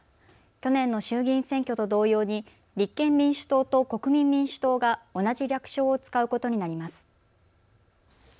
去年の衆議院選挙と同様に立憲民主党と国民民主党が同じ略称を使うことになります。